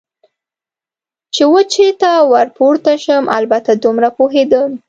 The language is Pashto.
چې وچې ته ور پورته شم، البته دومره پوهېدم.